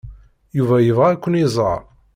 Yuba yebɣa ad ken-iẓer.